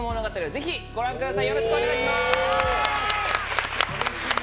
ぜひご覧ください。